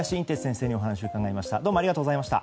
てつ先生にお話を伺いました。